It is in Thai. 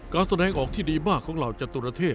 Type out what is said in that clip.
การแสดงออกที่ดีของเราเจตุระเทพ